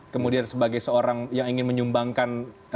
kemudian sebagai seorang yang ingin menyumbangkan